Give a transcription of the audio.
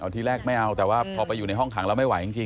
ที่แรกไม่เอาแต่ว่าพอไปอยู่ในห้องขังแล้วไม่ไหวจริง